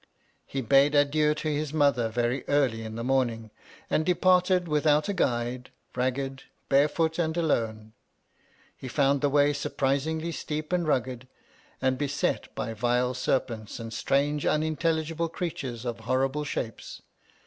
He bade adieu to his mother very early in the morning, and departed without a guide, ragged, barefoot, and alone. He found the way surprisingly steep and rugged, and beset by vile serpents and strange unintelligible creatures of horrible shapes.